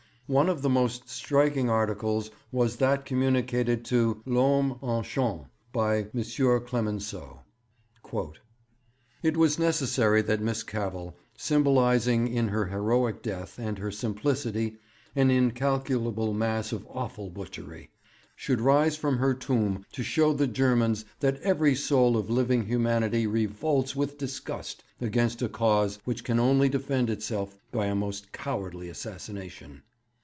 One of the most striking articles was that communicated to L'Homme Enchaîné by M. Clemenceau: 'It was necessary that Miss Cavell, symbolizing in her heroic death and her simplicity an incalculable mass of awful butchery, should rise from her tomb to show the Germans that every soul of living humanity revolts with disgust against a cause which can only defend itself by a most cowardly assassination.